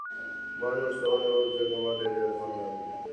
ما نور څه ونه ویل، ځکه ما ته یې ډېر غم راکړ.